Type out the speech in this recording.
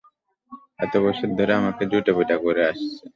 এত বছর ধরে আমাকে জুতোপেটা করে আসছেন।